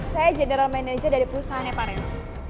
saya general manager dari perusahaan pak raina